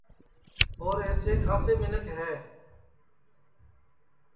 اور اِیسے کھاسے منکھ ہے